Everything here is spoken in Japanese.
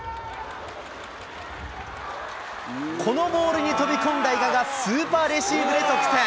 このボールに飛び込んだ伊賀がスーパーレシーブで得点。